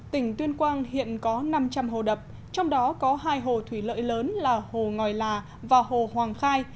tỉnh tuyên quang hiện có năm trăm linh hồ đập trong đó có hai hồ thủy lợi lớn là hồ ngòi là và hồ hoàng khai